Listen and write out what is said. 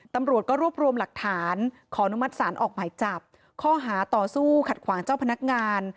ตำรวจก็รวบรวมหลักฐานขออนุมัติศาลออกหมายจับข้อหาต่อสู้ขัดขวางเจ้าพนักงาน